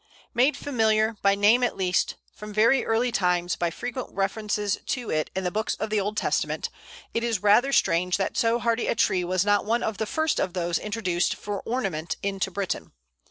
Made familiar, by name at least, from very early times by frequent references to it in the books of the Old Testament, it is rather strange that so hardy a tree was not one of the first of those introduced for ornament into Britain.